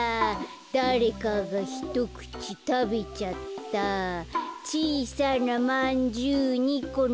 「だれかがひとくちたべちゃった」「ちいさなまんじゅう２このせて」